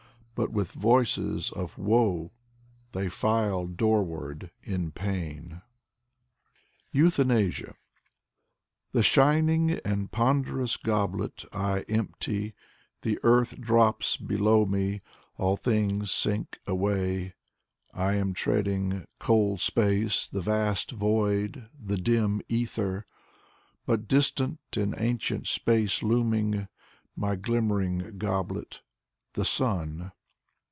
But with voices of woe They file doorward, in pain. 140 Audrey Bely EUTHANASIA The shining and ponderous goblet I empty: the earth drops below me, All things sink away, — I am treading Cold space — the vast void — the dim ether. But distant, in ancient space looming, My glimmering goblet: the Sun.